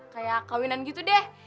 kayak kawinan gitu deh